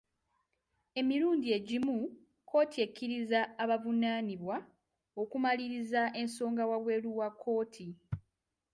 Emirundi egimu kkooti ekkiriza abavunaanibwa okumaliriza ensonga wabweru wa kkooti.